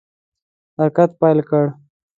حرکت پیل کړ.